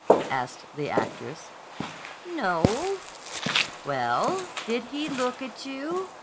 asked the actress, "N o o o." "Well, did he look at you?"